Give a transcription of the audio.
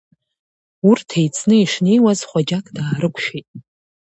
Урҭ еицны ишнеиуаз хәаџьак даарықәшәеит.